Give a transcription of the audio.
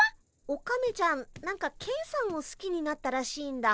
オカメちゃん何かケンさんをすきになったらしいんだ。